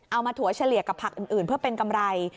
เอามาถั่วเฉลี่ยกับผักอื่นเพื่อเป็นกำไร